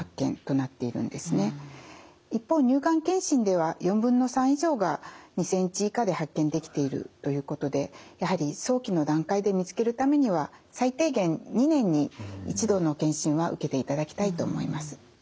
一方乳がん検診では４分の３以上が２ｃｍ以下で発見できているということでやはり早期の段階で見つけるためには最低限２年に一度の検診は受けていただきたいと思います。